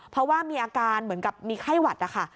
เพราะว่ามีอาการเหมือนกับมีไข้หวัดนะคะ